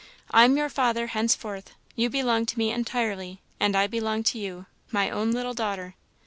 I am your father henceforth you belong to me entirely, and I belong to you, my own little daughter!"